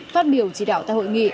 phát biểu chỉ đạo tại hội nghị